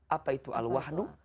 apa itu al wahnu